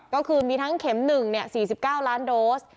ก็คือมีทั้งเข็ม๑๔๙ล้านโดส